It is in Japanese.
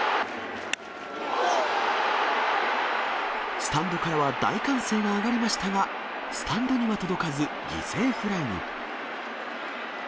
スタンドからは大歓声が上がりましたが、スタンドには届かず、犠牲フライに。